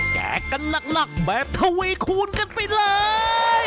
แจกกันหลักแบบทวีคูณกันไปเลย